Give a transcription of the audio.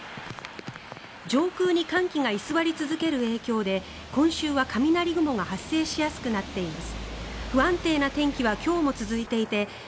上空に寒気が居座り続ける影響で今週は雷雲が発生しやすくなっています。